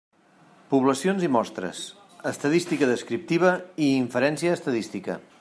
Poblacions i mostres: estadística descriptiva i inferència estadística.